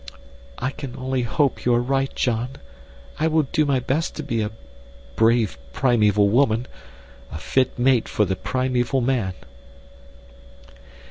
"I only hope you are right, John. I will do my best to be a brave primeval woman, a fit mate for the primeval man."